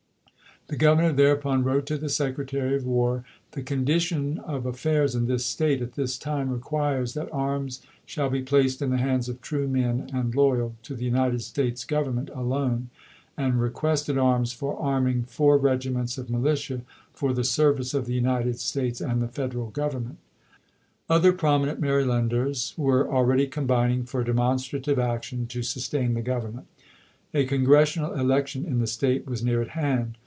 The Governor thereupon wrote to the Secretary of War: "The condition of affairs in this State at this time requires that arms shall be placed in the Hicks to hands of true men and loyal to the United States ApUT.Tsei. Government alone," and requested arms " for arm series III., iug four rcgimcuts of militia for the service of the io5.' ' United States and the Federal Government." Other prominent Marylanders were already combining for demonstrative action to sustain the Government. A Congressional election in the State was near at hand.